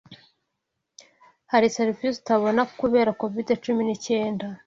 Hari serivisi utabona kubera covid cumi n'icyenda